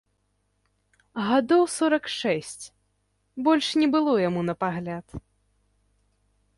Гадоў сорак шэсць, больш не было яму на пагляд.